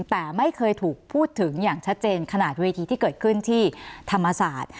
แต่ไม่เคยถูกพูดถึงอย่างชัดเจนขนาดเวทีที่เกิดขึ้นที่ธรรมศาสตร์